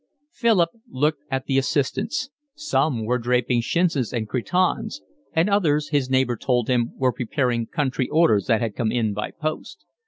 Philip looked at the assistants. Some were draping chintzes and cretonnes, and others, his neighbour told him were preparing country orders that had come in by post.